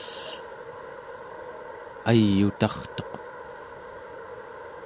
ay'utartut